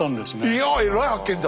いやえらい発見だ！